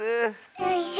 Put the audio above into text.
よいしょ。